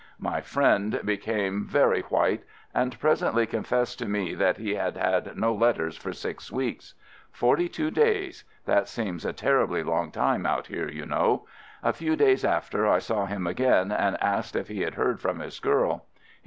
My friend became very white — and presently confessed to me that he had had no letters for six weeks. Forty two days — that seems a terribly long time out here, you know. A few days after, I saw him again and asked if he had heard from his girl.